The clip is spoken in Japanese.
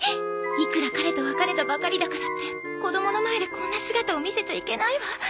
いくら彼と別れたばかりだからって子どもの前でこんな姿を見せちゃいけないわ